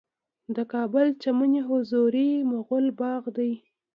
د کابل چمن حضوري مغل باغ دی